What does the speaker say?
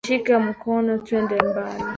Nishike mkononi twende mbali